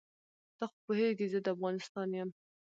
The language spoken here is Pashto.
ته خو پوهېږې زه د افغانستان یم.